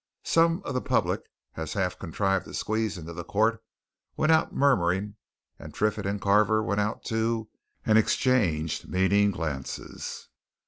Such of the public as had contrived to squeeze into the court went out murmuring, and Triffitt and Carver went out too and exchanged meaning glances.